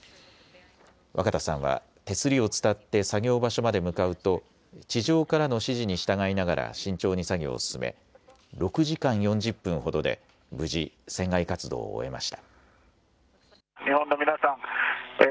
若田さんは手すりを伝って作業場所まで向かうと地上からの指示に従いながら慎重に作業を進め、６時間４０分ほどで無事船外活動を終えました。